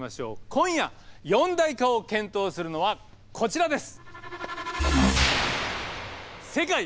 今夜四大化を検討するのはこちらです。